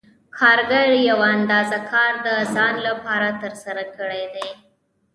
کارګر یوه اندازه کار د ځان لپاره ترسره کړی دی